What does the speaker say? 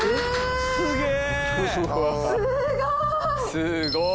すごい！